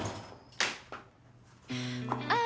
あ。